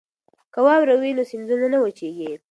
که واوره وي نو سیندونه نه وچیږي.